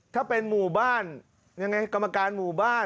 ถ้าเป็นหมู่บ้านยังไงกรรมการหมู่บ้าน